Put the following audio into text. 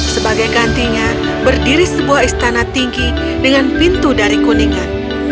sebagai gantinya berdiri sebuah istana tinggi dengan pintu dari kuningan